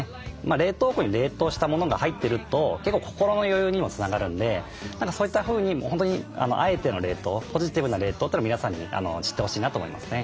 冷凍庫に冷凍したものが入ってると結構心の余裕にもつながるんでそういったふうに本当にあえての冷凍ポジティブな冷凍というのを皆さんに知ってほしいなと思いますね。